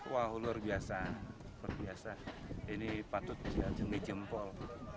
wah luar biasa ini patut dijempol